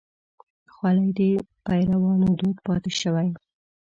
خولۍ د پيرانو دود پاتې شوی.